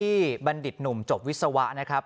บัณฑิตหนุ่มจบวิศวะนะครับ